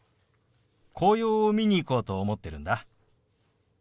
紅葉を見に行こうと思ってるんだ。